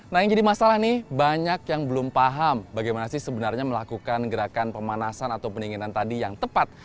nah yang jadi masalah nih banyak yang belum paham bagaimana sih sebenarnya melakukan gerakan pemanasan atau pendinginan tadi yang tepat